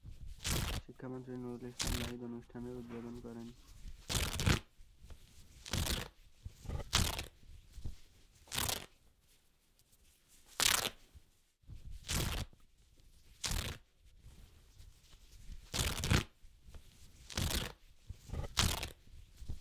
শিক্ষামন্ত্রী নুরুল ইসলাম নাহিদ অনুষ্ঠানের উদ্বোধন করেন।